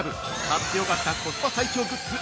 「買ってよかったコスパ最強グッズ